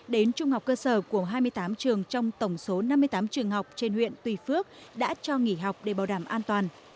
đến trung học cơ sở của hai mươi tám trường trong tổng số năm mươi tám trường học trên huyện tùy phước đã cho nghỉ học để bảo đảm an toàn